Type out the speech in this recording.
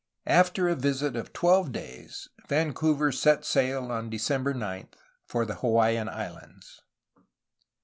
After a visit of twelve days, Vancouver set sail on December 9 for the Hawaiian Islands.